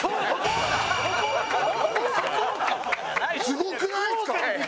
すごくないですか？